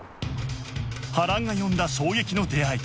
波乱が呼んだ衝撃の出会い